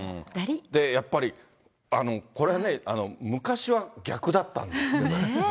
で、やっぱりこれはね、昔は逆だったんですけどね。